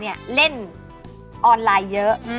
ดีมาก